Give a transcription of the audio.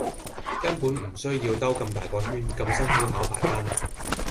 根本唔需要兜咁大個圈咁辛苦考牌番黎